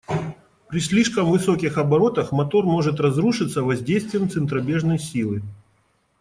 При слишком высоких оборотах мотор может разрушиться воздействием центробежной силы.